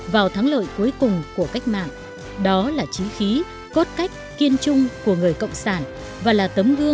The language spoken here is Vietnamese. vào thắng lợi cuối cùng của chúng ta